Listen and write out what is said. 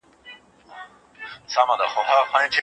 د اقلیم په اړه نړیوال هوډ د چاپیریال د ساتنې لپاره دی.